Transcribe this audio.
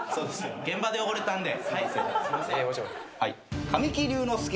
現場で汚れたんで。